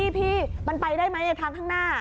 พี่มันไปได้ไหมทางข้างหน้า